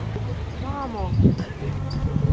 — Мамо...